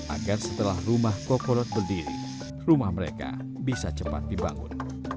agar setelah rumah kokolot berdiri rumah mereka bisa cepat dibangun